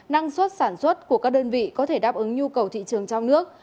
năng suất sản xuất của các đơn vị có thể đáp ứng nhu cầu thị trường trong nước